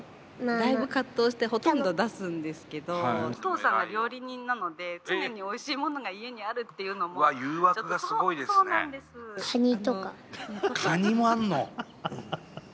だいぶ葛藤してほとんど出すんですけどお父さんが料理人なので常に、おいしいものが家にあるうわ、誘惑がすごいですね。